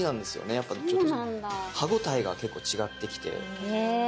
やっぱちょっと歯応えが結構違ってきて。